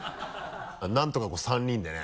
なんとかこう３人でね。